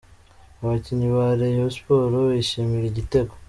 Abakinnyi ba Rayon Sports bishimira igitego.